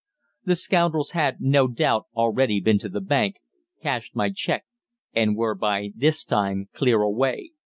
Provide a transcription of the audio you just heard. The scoundrels had, no doubt, already been to the bank, cashed my cheque, and were by this time clear away!